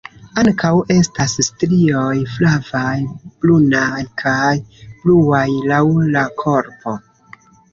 Ankaŭ estas strioj flavaj, brunaj kaj bluaj laŭ la korpo.